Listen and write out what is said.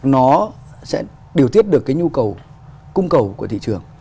nó sẽ điều tiết được cái nhu cầu cung cầu của thị trường